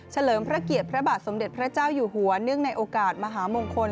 เลิมพระเกียรติพระบาทสมเด็จพระเจ้าอยู่หัวเนื่องในโอกาสมหามงคล